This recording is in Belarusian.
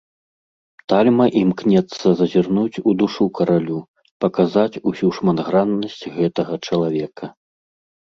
Тальма імкнецца зазірнуць у душу каралю, паказаць усю шматграннасць гэтага чалавека.